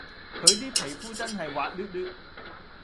佢 D 皮膚真係滑捋捋